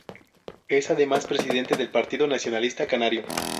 Es además presidente del Partido Nacionalista Canario.